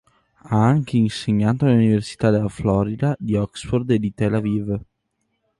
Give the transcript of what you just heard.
Ha anche insegnato nelle università della Florida, di Oxford e di Tel Aviv.